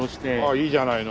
いいじゃないの。